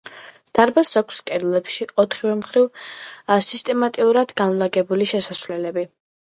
დარბაზს აქვს კედლებში ოთხმხრივ სიმეტრიულად განლაგებული შესასვლელები.